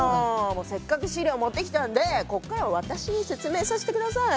もうせっかく資料持ってきたんでこっからは私に説明さして下さい。